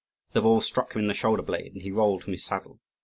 The ball struck him in the shoulder blade, and he rolled from his saddle.